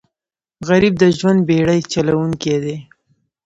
غریب د ژوند بېړۍ چلوونکی دی